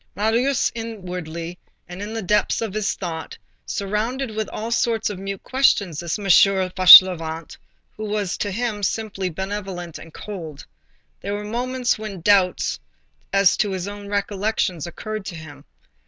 Marius, inwardly, and in the depths of his thought, surrounded with all sorts of mute questions this M. Fauchelevent, who was to him simply benevolent and cold. There were moments when doubts as to his own recollections occurred to him.